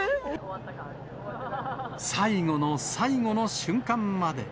最後の最後の瞬間まで。